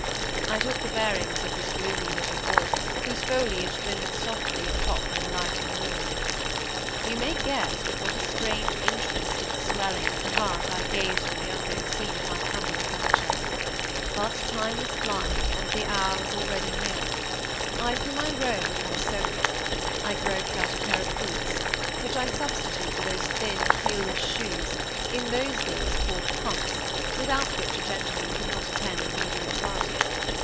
I took "the bearings" of this gloomy bit of wood, whose foliage glimmered softly at top in the light of the moon. You may guess with what a strange interest and swelling of the heart I gazed on the unknown scene of my coming adventure. But time was flying, and the hour already near. I threw my robe upon a sofa; I groped out a pair of hoots, which I substituted for those thin heelless shoes, in those days called "pumps," without which a gentleman could not attend an evening party.